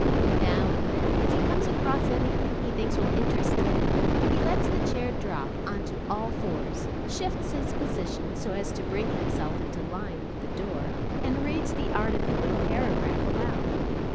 Now and then, as he comes across anything he thinks will interest Ted, he lets the chair drop on to all fours, shifts his position so as to bring himself into line with the door, and reads the article or paragraph aloud.